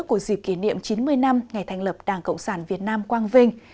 của dịp kỷ niệm chín mươi năm ngày thành lập đảng cộng sản việt nam quang vinh